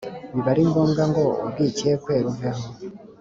biba ari ngombwa ngo urwikekwe ruveho.